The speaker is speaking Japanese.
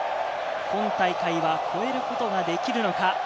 今大会は超えることができるのか？